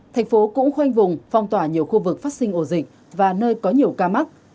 tp hcm cũng khoanh vùng phòng tỏa nhiều khu vực phát sinh ổ dịch và nơi có nhiều ca mắc